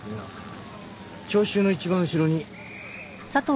聴衆の一番後ろに。